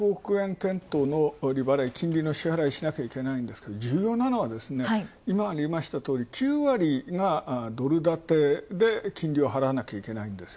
店頭の利払い、金利の支払い、しなきゃいけないんですが、重要なのは今ありましたように、９割がドル建てで金利を払わなければいけない。